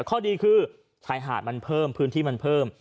ข้อดีคือชายหาดมันเพิ่มพื้นที่มันเพิ่ม